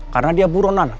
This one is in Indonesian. karena dia buronan